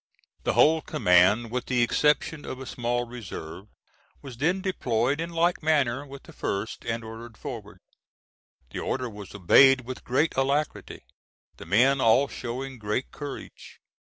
The whole command with the exception of a small reserve, was then deployed in like manner with the first, and ordered forward. The order was obeyed with great alacrity, the men all showing great courage.